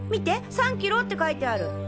３ｋｇって書いてある。